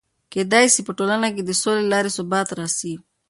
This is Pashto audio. کېدای سي په ټولنه کې د سولې له لارې ثبات راسي.